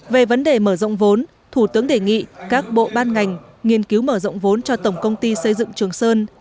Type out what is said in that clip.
về vấn đề mở rộng vốn thủ tướng đề nghị các bộ ban ngành nghiên cứu mở rộng vốn cho tổng công ty xây dựng trường sơn